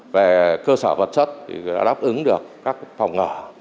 và cơ sở vật chất đã đáp ứng được các phòng ngỡ